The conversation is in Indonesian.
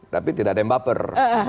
tapi tidak ada yang baper